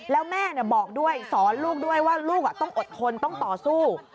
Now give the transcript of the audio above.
แล้วแม่บอกด้วยสอนลูกด้วยว่าลูกต้องอดทนต้องต่อสู้